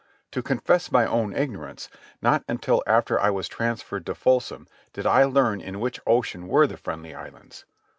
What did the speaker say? To confess my own ignorance, not until after I was transferred to Folsom did I learn in which ocean were the Friendly Islands.